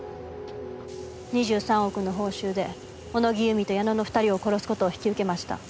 ２３億の報酬で小野木由美と矢野の２人を殺す事を引き受けました。